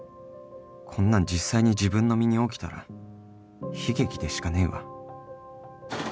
こんなん実際に自分の身に起きたら悲劇でしかねえわ